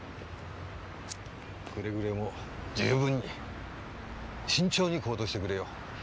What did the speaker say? くれぐれも十分に慎重に行動してくれよ。